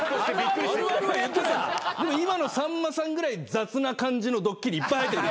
今のさんまさんぐらい雑な感じのドッキリいっぱい入ってくる。